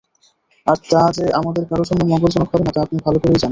আর তা যে আমাদের কারো জন্য মঙ্গলজনক হবে না তা আপনি ভালো করেই জানেন।